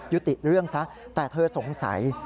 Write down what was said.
ติเรื่องซะแต่เธอสงสัย